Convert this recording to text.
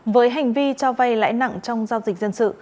với hành vi cho vay lãi nặng trong giao dịch dân sự